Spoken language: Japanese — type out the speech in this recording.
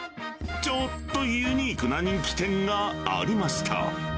ちょっとユニークな人気店がありました。